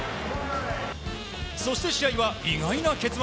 そして試合は意外な結末。